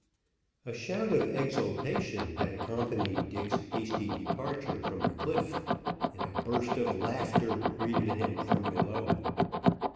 A shout of exultation had accompanied Dick's hasty departure from the cliff, and a burst of laughter greeted him from below.